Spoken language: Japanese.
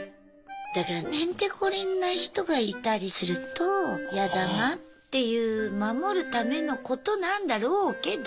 だからへんてこりんな人がいたりするとやだなっていう守るためのことなんだろうけど。